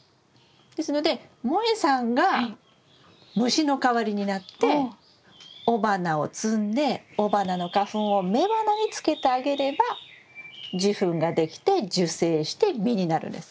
ですのでもえさんが虫の代わりになって雄花を摘んで雄花の花粉を雌花につけてあげれば受粉ができて受精して実になるんです。